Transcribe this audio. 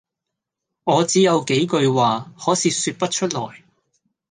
「我只有幾句話，可是説不出來。